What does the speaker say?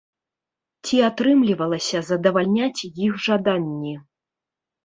Ці атрымлівалася задавальняць іх жаданні?